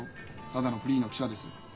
ただのフリーの記者です。